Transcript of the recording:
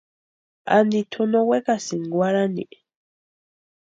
Anti tʼu no wekasinki warhani.